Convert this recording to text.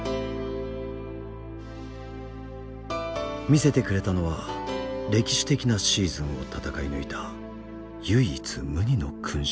見せてくれたのは歴史的なシーズンを闘い抜いた唯一無二の勲章。